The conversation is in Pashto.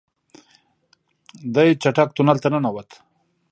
دی چټک تونل ته ننوت.